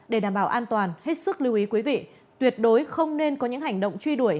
để đảm bảo an toàn hết sức lưu ý quý vị tuyệt đối không nên có những hành động truy đuổi